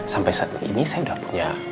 sampai saat ini saya tidak punya